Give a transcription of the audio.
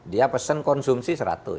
dia pesen konsumsi seratus